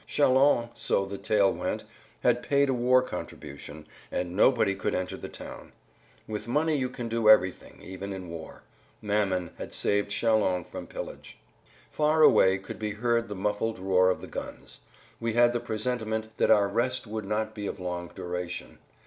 "Châlons," so the tale went, had paid a war contribution, and nobody could enter the town. With money you can do everything, even in war. Mammon had saved Châlons from pillage. Far away could be heard the muffled roar of the guns. We had the presentiment that our rest would not be of long duration.